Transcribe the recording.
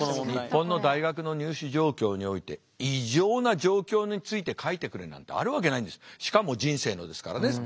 日本の大学の入試状況において異常な状況について書いてくれなんてあるわけないんですしかも人生のですからね。